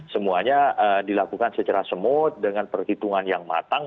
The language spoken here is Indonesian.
semuanya dilakukan secara semut dengan perhitungan yang matang